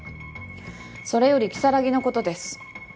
それより如月のことです。